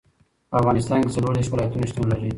په افغانستان کې څلور دېرش ولایتونه شتون لري.